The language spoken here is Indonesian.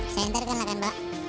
saya hantarkan lah kan mbak